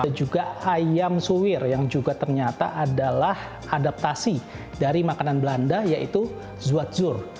dan juga ayam suwir yang juga ternyata adalah adaptasi dari makanan belanda yaitu zwadzur